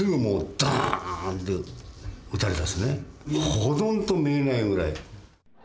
ほとんど見えないぐらい。